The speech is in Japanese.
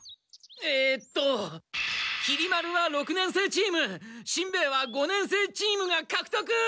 えときり丸は六年生チームしんべヱは五年生チームがかく得！